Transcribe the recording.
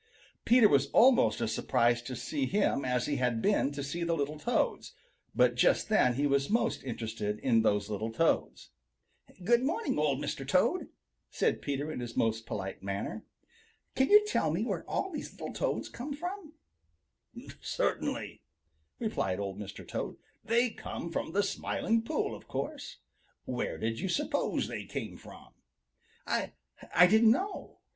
Peter was almost as surprised to see him as he had been to see the little Toads, but just then he was most interested in those little Toads. "Good morning, Old Mr. Toad," said Peter in his most polite manner. "Can you tell me where all these little Toads came from?" [Illustration: "Can you tell me where all these little Toads came from?"] "Certainly," replied Old Mr. Toad. "They came from the Smiling Pool, of course. Where did you suppose they came from?" "I I didn't know.